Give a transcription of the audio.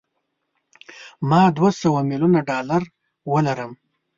ما دوه سوه میلیونه ډالره ولرم.